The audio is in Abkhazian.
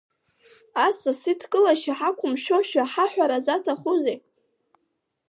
Асас идкылашьа ҳақәымшәошәа ҳаҳәара заҭахузеи?